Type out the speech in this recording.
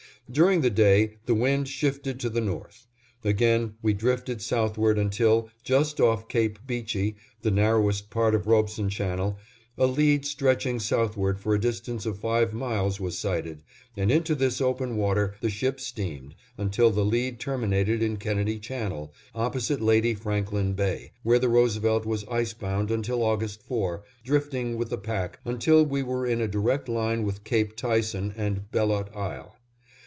During the day the wind shifted to the north. Again we drifted southward, until, just off Cape Beechey, the narrowest part of Robeson Channel, a lead stretching southward for a distance of five miles was sighted, and into this open water the ship steamed until the lead terminated in Kennedy Channel, opposite Lady Franklin Bay, where the Roosevelt was ice bound until August 4, drifting with the pack until we were in a direct line with Cape Tyson and Bellot Isle.